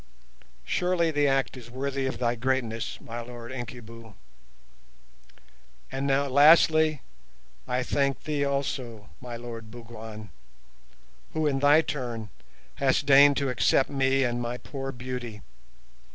Surely the act is worthy of thy greatness, my Lord Incubu. And now, lastly, I thank thee also, my Lord Bougwan, who in thy turn hast deigned to accept me and my poor beauty.